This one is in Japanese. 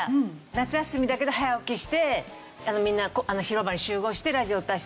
夏休みだけど早起きしてみんな広場に集合してラジオ体操。